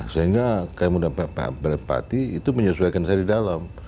sehingga saya mudah berempati itu menyesuaikan saya di dalam